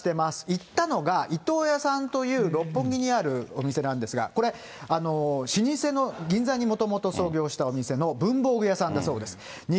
行ったのが、伊東屋さんという、六本木にあるお店なんですが、これ、老舗の、銀座にもともと創業したお店の文房具屋さんだそうです。